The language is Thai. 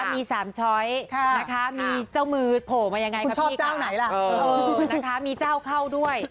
มี๓คลิปนะคะ